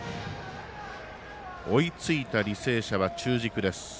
追いついた履正社は、中軸です。